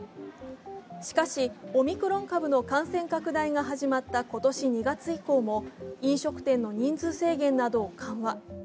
しかし、オミクロン株の感染拡大が始まった今年２月以降も飲食店の人数制限などを緩和。